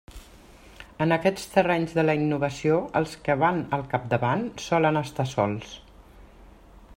En aquests terrenys de la innovació els que van al capdavant solen estar sols.